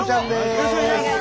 よろしくお願いします！